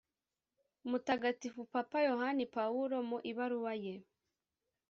mutagatifu papa yohani pawulo mu ibaruwa ye